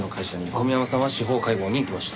小宮山さんは司法解剖に行きました。